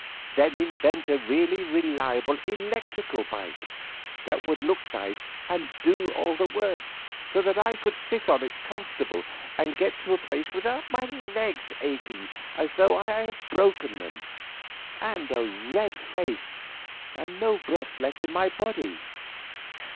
Then invent a really reliable electrical bike, that would look nice and do all the work, so that I could sit on it comfortably and get to a place without my legs aching as though I had broken them, and a red face, and no breath left in my body."